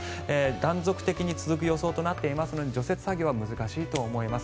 断続的に続く予想となっていますので除雪作業は難しいと思います。